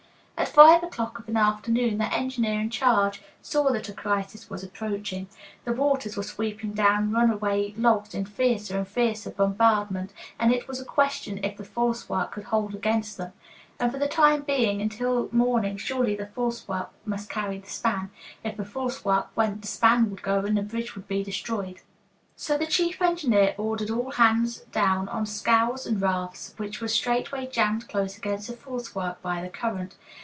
At five o'clock of an afternoon the engineer in charge saw that a crisis was approaching. The waters were sweeping down runaway logs in fiercer and fiercer bombardment, and it was a question if the false work could hold against them. And for the time being, until morning surely, the false work must carry the span. If the false work went the span would go, and the bridge would be destroyed. So the chief engineer ordered all hands down on scows and rafts, which were straightway jammed close against the false work by the current.